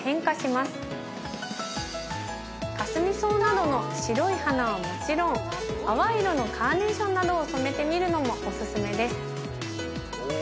かすみ草などの白い花はもちろん淡い色のカーネーションなどを染めてみるのもおすすめです。